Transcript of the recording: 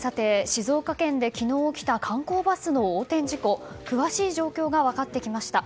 静岡県で昨日起きた観光バスの横転事故詳しい状況が分かってきました。